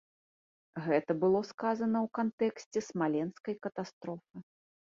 Гэта было сказана ў кантэксце смаленскай катастрофы.